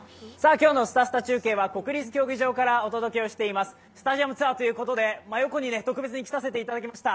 今日の「すたすた中継」は国立競技場からお届けをしています、スタジアムツアーということで真横に特別にきさせていただきました。